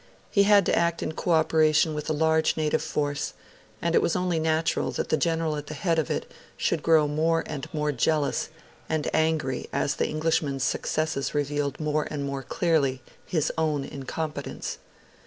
He had to act in cooperation with a large native force; and it was only natural that the general at the head of it should grow more and more jealous and angry as the Englishman's successes revealed more and more clearly his own incompetence.